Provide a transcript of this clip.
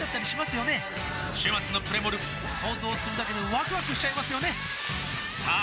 週末のプレモル想像するだけでワクワクしちゃいますよねさあ